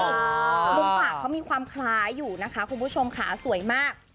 มุมปากเขามีความคล้ายอยู่นะคะคุณผู้ชมค่ะสวยมาก